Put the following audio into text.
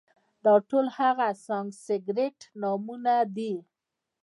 دا ټول هغه سانسکریت نومونه دي،